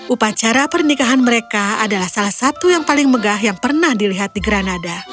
upacara pernikahan mereka adalah salah satu yang paling megah yang pernah dilihat di granada